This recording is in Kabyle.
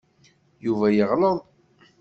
Yuba yeɣleḍ.